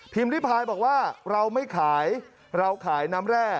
พิพายบอกว่าเราไม่ขายเราขายน้ำแร่